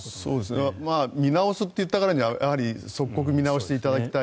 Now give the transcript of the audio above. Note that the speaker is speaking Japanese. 見直すと言ったからには即刻見直していただきたい。